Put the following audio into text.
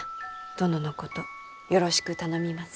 殿のことよろしく頼みます。